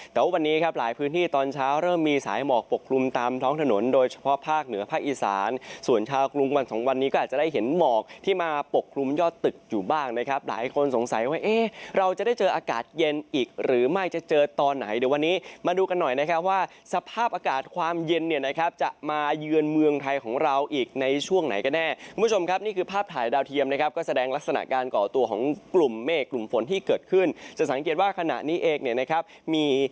แต่วันนี้ครับหลายพื้นที่ตอนเช้าเริ่มมีสายหมอกปกกลุ่มตามท้องถนนโดยเฉพาะภาคเหนือภาคอีสานส่วนชาวกลุงวันสองวันนี้ก็อาจจะได้เห็นหมอกที่มาปกกลุ่มยอดตึกอยู่บ้างนะครับหลายคนสงสัยว่าเอ๊ะเราจะได้เจออากาศเย็นอีกหรือไม่จะเจอตอนไหนเดี๋ยววันนี้มาดูกันหน่อยนะครับว่าสภาพอากาศความเย็นเนี่